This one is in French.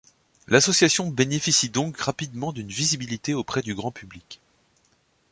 L'association bénéficie donc rapidement d'une visibilité auprès du grand public.